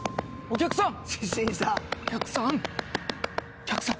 お客さん？